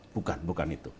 bukan bukan itu